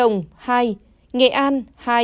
hai nghệ an